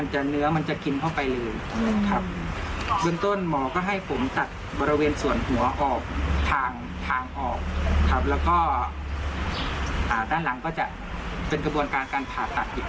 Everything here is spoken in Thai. แต่ถ้าไม่ตัดก็ไม่สามารถเอาออกได้อยากฝากบอกนะครับกับคนที่ใส่แหวน